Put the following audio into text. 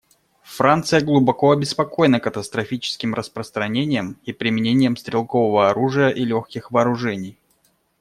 Франция глубоко обеспокоена катастрофическим распространением и применением стрелкового оружия и легких вооружений.